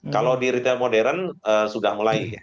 kalau di retail modern sudah mulai